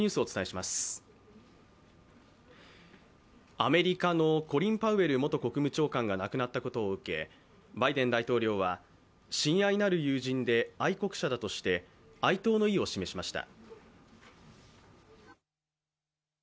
アメリカのコリン・パウエル元国務長官が亡くなったことを受け、バイデン大統領は親愛なる友人で愛国者だとして哀悼の意を示しました。